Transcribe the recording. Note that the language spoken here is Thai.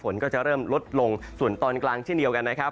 ฝนก็จะเริ่มลดลงส่วนตอนกลางเช่นเดียวกันนะครับ